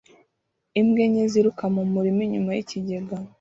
Imbwa enye ziruka mu murima inyuma yikigega